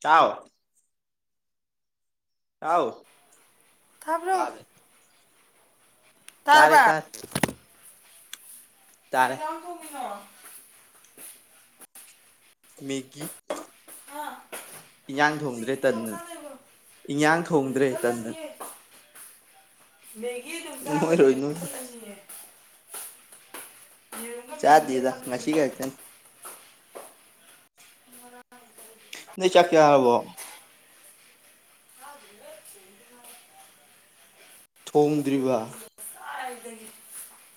ꯆꯥꯎ ꯑꯥꯎ ꯇꯔꯕ ꯀꯩ ꯇꯥꯔꯦ ꯏꯟꯁꯥꯡ ꯊꯣꯡꯉꯤꯅꯣ ꯃꯦꯀꯤ ꯑꯩꯅ ꯏꯌꯥꯥꯡ ꯊꯣꯡꯗ꯭ꯔꯦ ꯃꯦꯒꯤꯗ ꯌꯥꯝ ꯇꯟꯅꯗꯅ ꯆꯥꯅꯩꯕ ꯏꯌꯥꯥꯡ ꯊꯣꯡꯗ꯭ꯔꯦ ꯇꯟꯗꯅ ꯅꯣꯏꯈꯠꯂꯅꯤꯌꯦ ꯃꯦꯒꯤ ꯑꯗꯨꯝ ꯆꯥꯒꯅꯨ ꯅꯣꯏꯔꯣꯏ ꯅꯣꯏ ꯅꯣꯏꯈꯠꯂꯅꯤꯌꯦ ꯌꯦꯔꯨꯝꯒ ꯃꯦꯒꯤꯒ ꯆꯥꯗꯦꯗ ꯆꯥꯅꯕ ꯉꯁꯤ ꯂꯣꯏꯔꯕ ꯈꯛꯇꯅꯤ ꯅꯣꯏ ꯆꯥꯛ ꯆꯥꯔꯕꯣ [unintelligible] ꯊꯣꯡꯗ꯭ꯔꯤꯕ ꯉꯁꯥꯏꯗꯒꯤ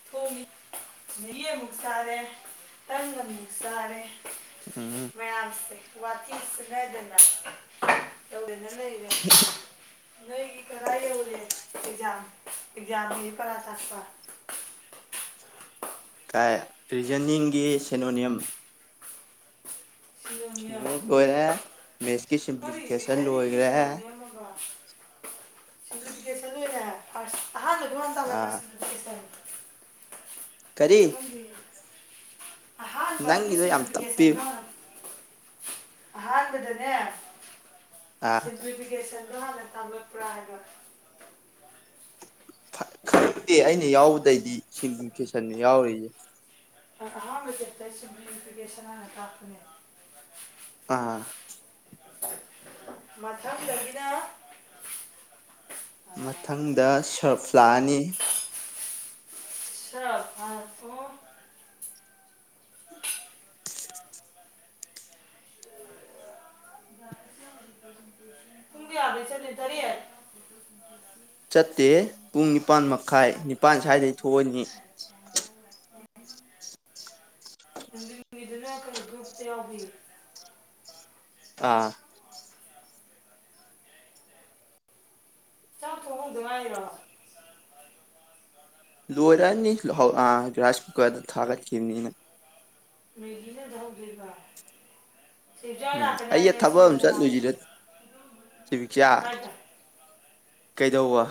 ꯊꯣꯡꯉꯤ ꯃꯦꯒꯤ ꯑꯃꯨꯛ ꯆꯥꯔꯦ ꯇꯟ ꯑꯃꯨꯛ ꯆꯥꯔꯦ ꯎꯝ ꯃꯌꯥꯝꯁꯦ ꯋꯥꯊꯤ ꯁꯨꯅꯗꯅ ꯇꯧꯗꯅ ꯂꯩꯔꯦ ꯅꯣꯏꯒꯤ ꯀꯗꯥꯏ ꯌꯧꯔꯦ ꯑꯦꯛꯖꯥꯝ ꯑꯦꯛꯖꯥꯝꯒꯤ ꯄꯔꯥ ꯇꯥꯛꯄ ꯀꯥꯏ ꯔꯤꯖꯅꯤꯡꯒꯤ ꯁꯦꯅꯣꯅꯤꯌꯝ ꯁꯤꯂꯣꯡ ꯌꯧꯔꯦ ꯂꯣꯏꯔꯦ ꯃꯦꯠꯁꯀꯤ ꯁꯤꯝꯄ꯭ꯂꯤꯐꯤꯀꯦꯁꯟ ꯂꯣꯏꯈ꯭ꯔꯦ ꯁꯤꯝꯄ꯭ꯂꯤꯐꯤꯀꯦꯁꯟ ꯂꯣꯏꯈ꯭ꯔꯦ ꯑꯍꯥꯟꯕꯗꯨ ꯃꯇꯥ ꯑꯥ ꯁꯤꯝꯄ꯭ꯂꯤꯐꯤꯀꯦꯁꯟ ꯀꯔꯤ ꯃꯊꯪꯗꯤ ꯅꯪꯒꯤꯗꯣ ꯌꯥꯝ ꯇꯞꯄꯤ ꯑꯍꯥꯟꯕꯗꯅꯦ ꯑꯥ ꯁꯤꯝꯄ꯭ꯂꯤꯐꯤꯀꯦꯁꯟ ꯅꫭꯏ ꯍꯥꯟꯅ ꯇꯝꯔꯛꯄꯔ ꯍꯥꯏꯕ ꯐꯠ ꯈꯪꯗꯦ ꯑꯩꯅ ꯌꯥꯎꯕꯗꯩꯗꯤ ꯁꯤꯝꯄ꯭ꯂꯤꯐꯤ ꯀꯦꯁꯟꯅꯤ ꯌꯥꯎꯔꯤꯁꯦ ꯑ ꯑꯍꯥꯟꯕ ꯆꯦꯞꯇꯔ ꯁꯤꯝꯄ꯭ꯂꯤꯐꯤꯀꯦꯁꯟ ꯍꯥꯟꯅ ꯇꯥꯛꯄꯅꯦ ꯑꯥ ꯃꯥꯊꯪ ꯗꯒꯤꯅ ꯃꯊꯪꯗ ꯁꯔꯞ ꯂꯥꯛꯑꯅꯤ [unintelligible] ꯄꯨꯡ ꯀꯌꯥꯗꯩ ꯆꯠꯂꯤ ꯇꯔꯦꯠ ꯆꯠꯇꯦ ꯄꯨꯡ ꯅꯤꯄꯥꯜ ꯃꯈꯥꯏ ꯅꯤꯄꯥꯜ ꯁ꯭ꯋꯥꯏꯗꯩ ꯊꯣꯛꯑꯅꯤ ꯅꯨꯡꯗꯤꯟꯒꯤꯗꯨꯅ ꯀꯩ ꯒ꯭ꯔꯨꯨꯞꯇ ꯌꯥꯎꯕꯤ ꯑꯥ ꯆꯥꯛ ꯊꫭꯡ ꯍꯧꯗꯉꯥꯏꯔꯣ ꯂꯣꯏꯔꯅꯤ ꯂꯨꯍꯧ ꯑꯥ ꯔꯥꯏꯁ ꯀꯨꯀꯔꯗ ꯊꯥꯒꯠꯈꯤꯕꯅꯤꯅ ꯃꯦꯒꯤ ꯂꯩꯔꯨꯔ ꯍꯧꯗꫭꯏꯕ ꯎꯝ ꯑꯩꯁꯦ ꯊꯕꯛ ꯑꯃ ꯆꯠꯂꯨꯁꯤꯔ ꯆꯤꯕꯤꯛꯆꯥ ꯀꯥꯏꯗ ꯀꯩꯗꯧꯕ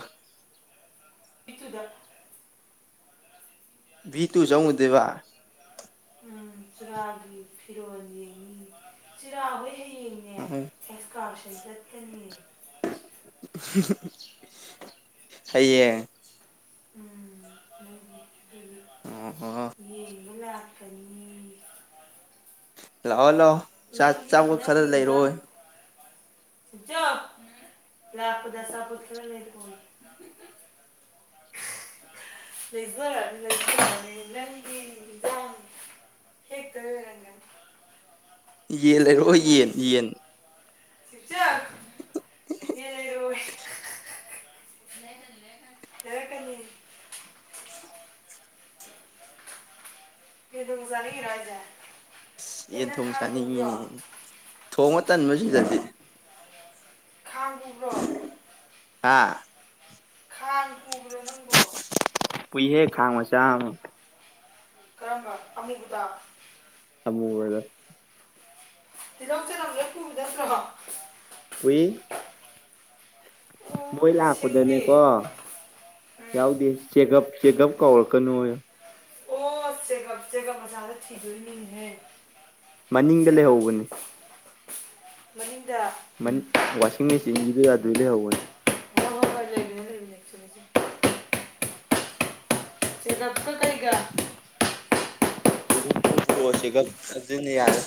ꯄꯤꯆꯨꯗ ꯚꯤ ꯇꯨ ꯆꯪꯉꯨꯗꫭꯏꯕꯥ ꯎꯝ ꯆꯨꯔꯥꯒꯤ ꯐꯤꯔꯣꯜ ꯌꯦꯡꯅꯤ ꯆꯨꯔꯥ ꯍꫭꯏ [inaudible] ꯁꯟ ꯆꯠꯀꯅꯦ ꯍꯌꯦꯡ ꯎꯝ ꯎꯝ ꯑꯣ ꯎꯝ ꯌꯦꯡ ꯃꯨꯛ ꯂꯥꯛꯀꯅꯦꯌꯦ ꯂꯥꯑꯣ ꯂꯥꯑꯣ ꯆꯥꯛ ꯆꯥꯕꫭꯠ ꯈꯔ ꯂꯩꯔꯑꫭꯏ ꯁꯤꯛꯆꫭ ꯂꯄꯗ ꯑꯆꯥꯄꫭꯠ ꯈꯔ ꯂꯩꯔꯛꯑꫭ ꯌꯦ ꯂꯩꯖꯔꯛꯑꯅꯤ ꯂꯩꯖꯔꯛꯑꯅꯤ ꯅꯪꯒꯤ ꯍꯤꯟꯖꯥꯡ ꯍꯦꯛꯇꫭꯏ ꯑꫭꯏꯔꯝꯒꯅꯤ ꯌꯦꯟ ꯂꯩꯔꯛꯑꯣ ꯏꯟꯖꯥꯡ ꯌꯦꯟ ꯅꯥꯄꯤ ꯌꯦꯟ ꯆꯤꯛꯆꯟ ꯌꯦꯟ ꯂꯩꯔꯑꫭꯌꯦ ꯂꯩꯔꯛꯀꯅꯤ ꯂꯩꯔꯛꯀꯅꯤ ꯂꯩꯔꯛꯀꯅꯦꯌꯦ ꯌꯦꯟ ꯊꫭꯡ ꯆꯥꯅꯤꯡꯉꯤꯔꫭ ꯍꯥꯏꯁꯦ ꯌꯦꯟ ꯊꯣꯡ ꯆꯥꯅꯤꯡꯉꯤꯅꯦ ꯊꯣꯡꯕ ꯇꯟꯕ꯭ꯔꫭ ꯁꯤꯗꯗꯤ ꯈꯥꯡ ꯄꯨꯕ꯭ꯔꯣ ꯍꯥ ꯈꯥꯡ ꯄꯨꯕ꯭ꯔꫭ ꯅꯪꯕꯣ ꯄꯨꯏꯍꯦ ꯈꯥꯡ ꯃꯆꯥ ꯑꯃ ꯀꯔꯝꯕ ꯑꯃꯨꯕꯗꫭ ꯑꯃꯨꯕꯗꯣ ꯇꯨꯜꯍꯧ ꯆꯅꯝ ꯂꫭꯏ ꯄꯨꯕ ꯅꯠꯇ꯭ꯔꫭ ꯄꯨꯏ ꯃꯣꯏ ꯂꯥꯛꯄꯗꯅꯦꯀꯣ ꯌꯥꯎꯗꯦ ꯆꯦꯒꯞ ꯆꯦꯒꯞ ꯀꯧꯔ ꯀꯅꯣ ꯑꯣ ꯆꯦꯒꯞ ꯆꯦꯒꯞ ꯃꯆꯥꯗꫭ ꯊꯤꯗꫭꯏꯅꯤꯅꯍꯦ ꯃꯅꯤꯡꯗ ꯂꯩꯍꯧꯕꯅꯤ ꯃꯅꯤꯡ ꯃꯅꯤꯡ ꯋꯥꯁꯤꯡ ꯃꯦꯁꯤꯟ ꯒꯤꯗꯨꯗ ꯑꯗꯨ ꯂꯩꯍꯧꯕꯅꯤ [unintelligible] ꯆꯦꯒꯞ ꯇꯨ ꯄꯨꯔꯛꯑꯣ ꯆꯦꯒꯞ ꯑꯗꯨꯅ ꯌꯥꯔꯦ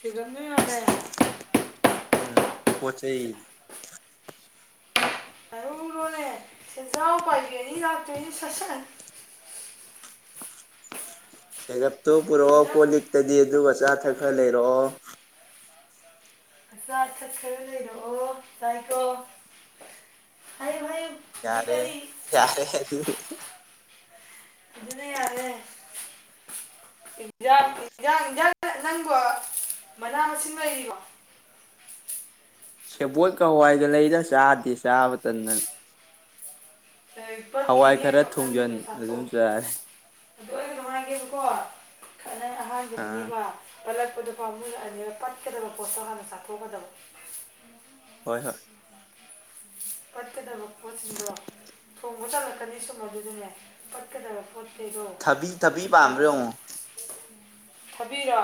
ꯆꯦꯒꯞ ꯅ ꯌꯥꯗ꯭ꯔꯦ ꯄꯣꯠꯆꯩ ꯂꯣꯜꯂꯦ ꯁꯦꯟꯖꯥꯎ ꯄꯥꯏꯕꯤ ꯑꯅꯤ ꯂꯥꯛꯇꯥꯏꯅꯤ ꯁꯥꯁꯟ ꯆꯦꯒꯞ ꯑꯗꯨ ꯄꯨꯔꯛꯑꯣ ꯀꯣꯜꯂꯤꯛꯇꯗꯤ ꯑꯗꯨꯒ ꯆꯥꯊꯛ ꯈꯔ ꯂꯩꯔꯛꯑꯣ ꯑꯆꯥ ꯑꯊꯛ ꯈꯔ ꯂꯩꯔꯣꯑꯣꯏ ꯆꯥꯏꯀꯣ ꯍꯥꯏꯌꯨ ꯍꯥꯏꯌ ꯌꯥꯔꯦ ꯌꯥꯔꯦ [unintelligible] ꯑꯗꯨꯅ ꯌꯥꯔꯦ ꯏꯟꯖꯥꯡ ꯏꯟꯖꯥꯡ ꯏꯟꯖꯥꯡ ꯅꯪꯕꯨꯣ ꯃꯅꯥ ꯃꯁꯤꯡ ꯂꯩꯔꯤꯀꯣ ꯁꯦꯕꯣꯠ ꯀ ꯍꯋꯥꯏꯒ ꯂꯩꯗ ꯆꯥꯗꯦ ꯆꯥꯕ ꯇꯟꯗꯥꯅ [unintelligible] ꯑꯗꯨ ꯈꯔ ꯊꯣꯡꯖꯟ ꯑꯗꯨꯝ ꯆꯥꯔꯦ ꯑꯣꯏꯅ ꯅꯨꯡꯉꯥꯏꯒꯦꯕꯀꯣ ꯑꯗꯨꯅ ꯑꯥ ꯑꯍꯥꯟꯕꯒꯤꯅꯦꯕ ꯄꯠꯂꯛꯄꯗꯨ ꯄꯥꯝꯃꯨꯏ ꯍꯥꯏꯗꯤ ꯄꯠꯀꯗꯕ ꯄꯣꯠꯠꯇꯣ ꯍꯥꯟꯅ ꯆꯥꯊꯣꯛꯀꯗꯕ ꯍꯣꯏ ꯍꯣꯏ ꯄꯠꯀꯗꯕ ꯄꯣꯠꯁꯤꯡꯗꯣ ꯊꯣꯡꯕ ꯇꯜꯂꯛꯀꯅꯤ ꯁꯨꯝ ꯑꯗꯨꯗꯅꯦ ꯄꯠꯀꯗꯕ ꯄꯣꯠ ꯊꯕꯤ ꯊꯕꯤ ꯄꯥꯟꯕ꯭ꯔ ꯌꯦꯡꯉꯣ ꯊꯕꯤꯔꯣ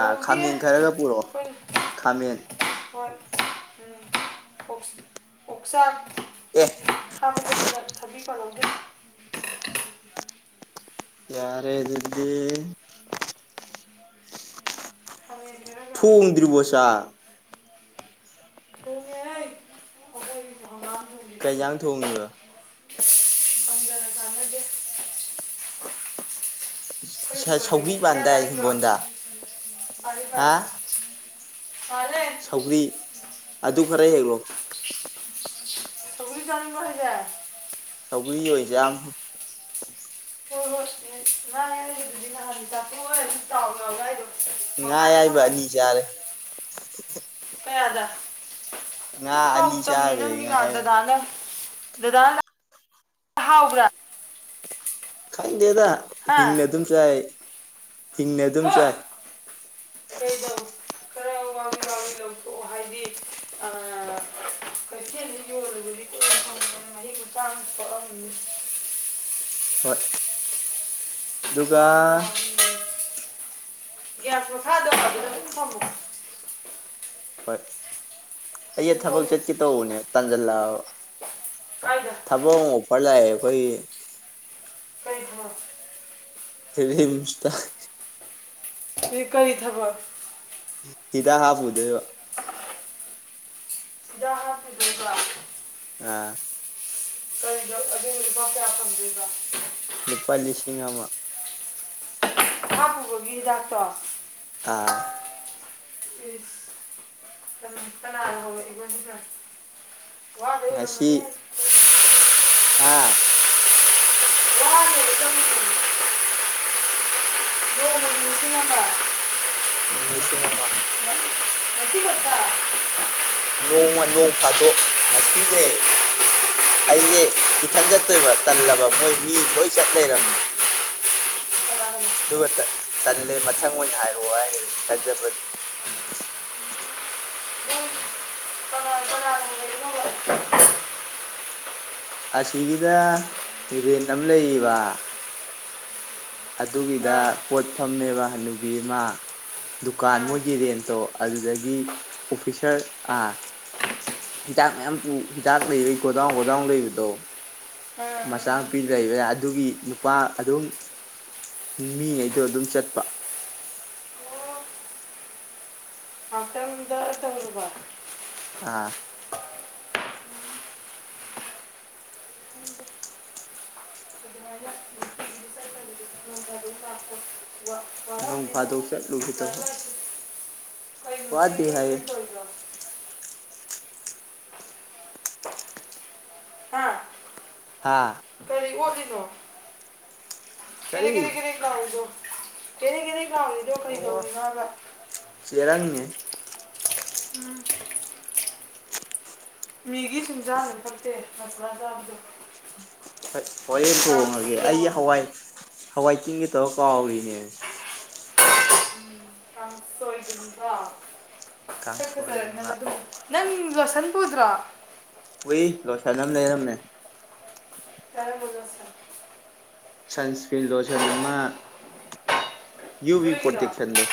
ꯑ ꯈꯥꯃꯦꯟ ꯈꯔꯒ ꯄꯨꯔꯛꯑꯣ ꯈꯥꯃꯦꯟ ꯍꯣꯏ ꯎꯝ ꯑꯣꯛꯆꯥꯛ ꯑꯦ ꯊꯥꯡꯖꯤꯡꯒ ꯊꯕꯤꯒ ꯄꯥꯜꯍꯧꯗꯦ ꯌꯥꯔꯦ ꯑꯗꯨꯗꯤ ꯑꯟꯏꯟꯇꯦꯜꯂꯤꯖꯦꯕꯜ ꯊꯣꯡꯗ꯭ꯔꯤꯕꯣ ꯆꯥꯛ ꯊꯣꯡꯉꯦꯍꯦ ꯍꯪꯒꯥꯝ ꯊꯣꯡꯕꯤꯗꯨ ꯀꯩ ꯏꯟꯖꯥꯡ ꯊꯣꯡꯉꯤꯕ ꯐꯪꯗꯅ ꯆꯥꯟꯅꯗꯦ ꯑꯩꯈꯣꯏ ꯑꯟꯑꯣꯗꯤꯕꯜ ꯍꯤꯡꯒꯣꯜꯗꯒꯤ ꯁꯧꯒ꯭ꯔꯤ ꯍꯪꯒꯥꯝ ꯄꯦꯟꯗꯥꯏ ꯆꯥꯅꯤꯡꯕ꯭ꯔꯣ ꯍꯤꯡꯒꯣꯟꯗ ꯄꯥꯜꯂꯤ ꯍꯥ ꯄꯥꯜꯂꯤ ꯄꯥꯜꯂꯦ ꯁꯧꯒ꯭ꯔꯤ ꯑꯗꯨ ꯈꯔ ꯍꯦꯛꯂꯛꯂꯣ ꯑꯟꯏꯟꯇꯦꯜꯂꯤꯖꯦꯕꯜ ꯁꯧꯒꯔ꯭ꯤ ꯑꯣꯏ ꯆꯥ [unintelligible] ꯉꯥ ꯃꯈꯥꯗ ꯑꯥꯌꯥꯏꯕ ꯊꯝꯃꯣ ꯑꯅꯤ ꯆꯔꯦ꯫ [unintelligible] ꯑꯅꯤ ꯍꯥꯎꯇꯝꯅꯤ ꯆꯥꯈ꯭ꯔꯦ ꯅꯪꯒꯤ ꯉꯥ ꯑꯌꯥꯏꯕ ꯗꯥꯗ ꯅꯥ ꯗꯗꯥ ꯍꯥꯎꯕꯔꯥ? ꯈꯪꯗꯦꯗ ꯍꯤꯡꯅ ꯑꯗꯨꯝ ꯆꯥꯏ ꯍꯤꯡꯅ ꯑꯗꯨꯝ ꯆꯥꯏ꯫ ꯍꯣꯏ ꯀꯩꯗꯧ [unintelligible] ꯍꯣꯏ꯫ ꯑꯗꯨꯒ ꯒꯤꯌꯥꯁ ꯃꯈꯥꯗꯣ ꯑꯗꯨꯗ ꯑꯗꯨꯝ ꯊꯝꯃꯨ ꯍꯣꯏ꯫ ꯑꯩ ꯊꯕꯛ ꯇꯧꯔꯣ ꯆꯠꯀꯦ ꯇꯧꯕꯅꯦ ꯇꯥꯟꯖꯜꯂꯕ ꯀꯥꯏꯗ ꯊꯕꯛ [unintelligible] ꯈꯣꯏꯏ ꯀꯩ ꯍꯥꯕꯥ ꯔꯤꯝꯁ ꯇ ꯑꯩ ꯀꯔꯤ ꯊꯕꯛ? ꯇꯤꯗ ꯍꯥꯞꯄꯨꯗꯣꯏꯕ [unintelligible] ꯑꯥ ꯀꯔꯤꯗ ꯑꯗꯨ ꯂꯨꯄꯥ ꯀꯌꯥ ꯐꯪ ꯗꯣꯏꯕ? ꯂꯨꯄꯥ ꯂꯤꯁꯤꯡ ꯑꯃꯥ ꯍꯥꯄꯨꯕꯒꯤ ꯍꯤꯗꯥꯛ ꯇꯣ ꯑꯥ ꯏꯁ ꯀꯅꯥꯅꯥ ꯍꯧꯔꯥꯛ ꯏꯕꯥ ꯑꯗꯨꯅ? ꯉꯁꯤ [unintelligible] ꯍꯥ [unintelligible] [unintelligible] ꯎ ꯂꯤꯁꯤꯡ ꯑꯃ ꯉꯁꯤ ꯈꯛꯇ ꯅꯣꯡꯃ ꯅꯣꯡ ꯐꯥꯇꯣꯛ ꯉꯁꯤꯁꯦ ꯑꯩꯁꯦ ꯏꯊꯟ ꯆꯠꯇꯣꯏꯕ ꯇꯜꯂꯕ ꯃꯣꯏ ꯃꯤ ꯂꯣꯏ ꯆꯠ ꯂꯩꯔꯝꯃꯦ꯫ ꯑꯗꯨꯒ ꯇꯜꯂꯦ ꯃꯊꯪ ꯑꯣꯏꯅ ꯍꯥꯏꯔꯛꯑꯣ ꯍꯥꯏꯒꯔꯦ ꯏꯊꯥꯟ ꯆꯠꯄ ꯑꯁꯤꯒꯤꯗ ꯔꯦꯟ ꯑꯃ ꯂꯩꯌꯦꯕ ꯑꯗꯨꯒꯤꯗ ꯄꯣꯠ ꯐꯝꯃꯦꯕ ꯍꯅꯨꯕꯤ ꯑꯃ ꯗꯨꯀꯥꯟ ꯃꯣꯏꯒꯤ ꯔꯦꯟꯇꯣ ꯑꯗꯨꯗꯒꯤ ꯑꯣꯐꯤꯁꯔ ꯑꯥ ꯍꯤꯗꯥꯛ ꯃꯌꯥꯝ ꯍꯤꯗꯥꯛ ꯂꯩꯕ ꯒꯣꯗꯥꯎꯟ- ꯒꯣꯗꯥꯎꯟ ꯂꯩꯕꯗꯣ ꯃꯆꯥꯅꯨꯄꯤꯗꯨ ꯂꯩꯕ ꯑꯗꯨꯒꯤ ꯅꯨꯄꯥ ꯑꯗꯨꯝ ꯃꯤꯉꯩꯗꯣ ꯑꯗꯨꯝ ꯆꯠꯄ [unintelligible] ꯑꯥ ꯋꯥ ꯅꯣꯡ ꯋꯥꯠꯂꯝꯅꯤ ꯐꯥꯗꯣꯛ ꯆꯠꯂꯨꯒꯦ ꯇꯧꯕ ꯋꯥꯗꯦ ꯍꯥꯏꯌꯦ꯫ ꯍꯥꯥ꯫ ꯑꯣꯠꯂꯤꯅꯣ꯫ ꯀꯔꯤ [unintelligible] ꯂꯥꯎꯔꯤꯗꯣ꯫ ꯀꯦꯅꯦ ꯀꯦꯅꯦ꯫ ꯂꯥꯎꯔꯤꯗꯣ ꯑꯣ ꯀꯩꯗꯧꯔꯤꯅꯣ ꯍꯥꯏꯕ꯫ [inaudible] ꯎꯝ꯫ ꯃꯤꯒꯤ ꯁꯨꯝ ꯆꯥꯅꯨ ꯐꯠꯇꯦ ꯃ꯭ꯁꯂꯥ ꯆꯥꯕꯗꯣ꯫ ꯍꯣꯏ꯫ ꯍꯣꯔꯦꯟ ꯇꯣꯡꯉꯒꯦ ꯑꯩ ꯍꯋꯥꯏ꯫ ꯍꯋꯥꯏ ꯇꯤꯡꯒꯦ ꯇꯧꯔꯒ ꯀꯥꯎꯔꯤꯅꯦ꯫ ꯀꯥꯡꯁꯣꯏꯒꯨꯝꯕ꯫ ꯀꯥꯡꯁꯣꯏꯒꯨꯝꯕ꯫ ꯅꯪ ꯂꯣꯁꯟ ꯄꯨꯗ꯭ꯔꯣ꯫ ꯄꯨꯏ ꯂꯣꯁꯟ ꯑꯝ ꯂꯩꯔꯝꯃꯦ꯫ ꯀꯔꯝꯕ ꯂꯣꯁꯟ꯫ ꯁꯟꯁ꯭ꯀꯔꯤꯟ ꯂꯣꯁꯟ ꯑꯃ ꯌꯨꯚꯤ ꯄꯣꯇꯦꯛꯁꯟꯗꯣ꯫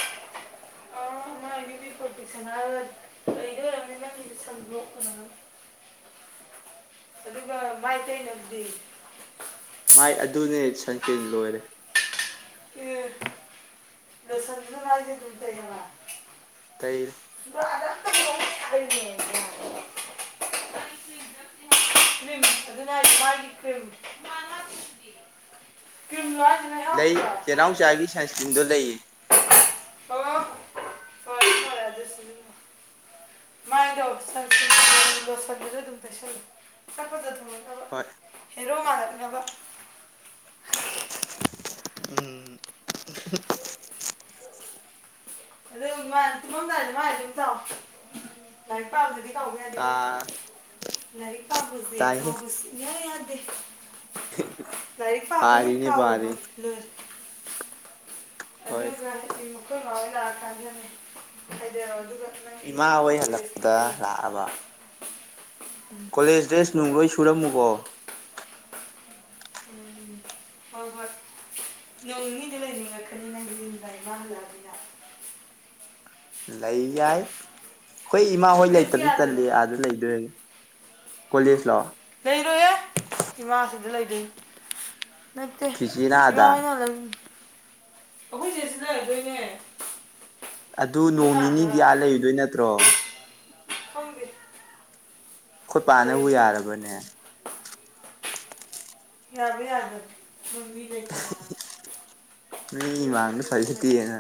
[inaudible] ꯑꯗꯨꯒ ꯃꯥꯏ ꯇꯩꯅꯕꯗꯤ꯫ ꯃꯥꯏ ꯑꯗꯨꯅꯦ ꯁꯟꯁꯀ꯭ꯔꯤꯟ ꯂꯣꯏꯔꯦ꯫ ꯂꯣꯁꯟꯗꯨꯅ ꯃꯥꯏꯗ ꯑꯗꯨꯝ ꯇꯩꯔꯕ꯫ ꯇꯩꯔꯦ꯫ [unintelligible] [unintelligible] ꯂꯩ ꯆꯦꯅꯥꯎꯆꯥꯒꯤ ꯁꯟꯁ ꯗꯨ ꯂꯩꯌꯦ꯫ ꯍꯣꯏ [unintelligible] ꯍꯦꯔꯣ ꯃꯥꯜꯅꯛꯅꯕ꯫ ꯎꯝ [unintelligible] [unintelligible] [unintelligible] ꯇꯥ ꯇꯥꯏꯍꯦ ꯂꯏꯔꯤꯛꯄꯥꯕ ꯍꯦꯛ ꯄꯥꯔꯤꯅꯦ ꯀꯥꯎꯔꯕ ꯄꯥꯔꯤꯅꯦ ꯂꯣꯏ ꯍꯣꯏ ꯑꯗꯨꯒ [unintelligible] ꯈꯣꯏ ꯃꯥ ꯂꯥꯛ ꯑꯀꯥꯟꯗꯅꯦ ꯍꯥꯏꯗꯔꯛꯑꯣ ꯗꯨꯒ꯫ ꯏꯃꯥ ꯍꯣꯏ ꯍꯜꯂꯛꯄꯗ ꯂꯥꯛꯑꯕ꯫ ꯀꯣꯂꯦꯖ ꯗ꯭ꯔꯦꯁ ꯅꯨꯡ ꯂꯣꯏ ꯁꯨ ꯈꯨꯨꯔꯝꯃꯨꯀꯣ ꯎ ꯍꯣꯏ ꯍꯣꯏ ꯌꯧꯅꯤꯡꯉꯤꯗꯤ ꯂꯩꯅꯤꯡꯉꯛꯀꯅꯤ ꯅꯪꯒꯤꯟꯕ ꯏꯃꯥ ꯍꯜꯂꯛꯑꯅꯤꯅ ꯂꯩꯏ ꯍꯣꯏ ꯏꯃꯥ ꯍꯣꯏ ꯂꯩꯇ꯭ꯔꯗꯤ ꯇꯜꯂꯤ ꯑꯥꯗ ꯂꯩꯗꯣꯏꯅꯦ ꯀꯣꯂꯖꯁ ꯂ ꯂꯩꯔꯣꯏꯌꯦꯦ ꯏꯃꯥꯁꯤꯗ ꯂꯩꯗ ꯅꯠꯇꯦ ꯆꯤꯆꯦꯅ ꯏꯃꯥ ꯑꯥꯗ ꯍꯣꯏꯅ ꯑꯗꯨꯪ ꯑꯩꯈꯣꯏꯁꯦ ꯁꯤꯗꯗꯣꯏꯅꯦ ꯑꯗꯨ ꯅꯣꯡ ꯅꯤꯅꯤꯗꯤ ꯑꯥ ꯂꯩꯔꯨꯗꯣꯏ ꯅꯠꯇ꯭ꯔꯣ ꯎꯨꯝꯕꯤꯦ ꯈꯨꯠꯄꯥꯥꯅꯕꯨ ꯌꯥꯔꯕꯅꯦ ꯌꯥꯕ ꯌꯥꯗ ꯃꯣꯏ ꯃꯤ ꯃꯤꯃꯥꯡꯅ ꯌꯨꯝꯗ ꯂꯩꯇꯦ ꯐꯩꯁꯤꯠꯇꯤꯌꯦꯅ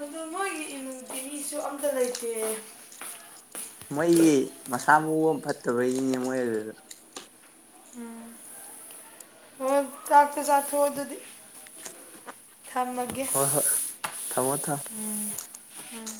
ꯑ ꯅꯣꯏꯒꯤ ꯏꯃꯨꯡꯒꯤꯤ ꯃꯤꯁꯨ ꯑꯝꯇ ꯂꯩꯇꯦ ꯃꯣꯏꯒꯤ ꯃꯁꯥ ꯃꯎ ꯑꯃ ꯐꯠꯇꯕꯒꯤꯅꯦ ꯃꯣꯏ ꯑꯗꯨꯗ ꯎꯝ ꯍ ꯇꯥꯇ ꯆꯠ ꯍꯗꯗꯤ ꯊꯝꯃꯒꯦ ꯍꯣꯏ ꯍꯣꯏ ꯊꯝꯃꯣ ꯊꯝꯃꯣ ꯎꯝ ꯎꯝ